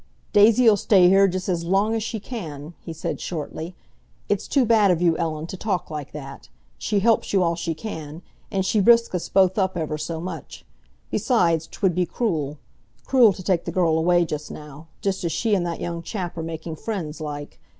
"Daisy'll stay here just as long as she can," he said shortly. "It's too bad of you, Ellen, to talk like that! She helps you all she can; and she brisks us both up ever so much. Besides, 'twould be cruel—cruel to take the girl away just now, just as she and that young chap are making friends like.